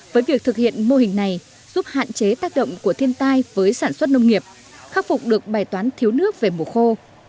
với việc thực hiện mô hình này giúp hạn chế tác động của thiên tai với sản xuất nông nghiệp khắc phục được bài toán thiếu nước về mùa khô